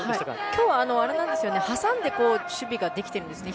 今日は、挟んで守備ができてるんですね。